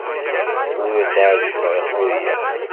Ur as-ɛejjbeɣ i Ḥuriya.